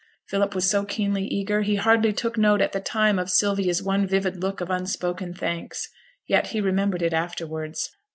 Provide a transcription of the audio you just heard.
Philip was so keenly eager, he hardly took note at the time of Sylvia's one vivid look of unspoken thanks, yet he remembered it afterwards.